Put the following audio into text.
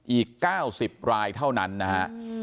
อีก๙๐รายเท่านั้นนะฮะ